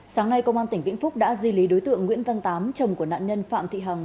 sáng nay công an tỉnh vĩnh phúc đã di lý đối tượng nguyễn văn tám chồng của nạn nhân phạm thị hằng